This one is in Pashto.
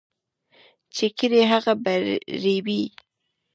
چي کرې، هغه به رېبې.